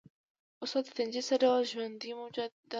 استاده فنجي څه ډول ژوندي موجودات دي